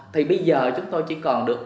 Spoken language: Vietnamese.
thì bây giờ chúng tôi chỉ còn được